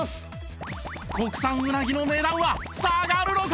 国産うなぎの値段は下がるのか！？